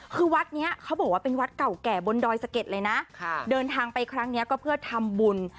คือวัดนี้เขาบอกว่าเป็นวัดเก่าแก่บนดอยสะเก็ดเลยนะเดินทางไปครั้งนี้ก็เพื่อทำบุญ